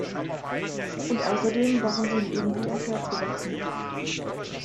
Und außerdem waren sie ihm irgendwie ans Herz gewachsen.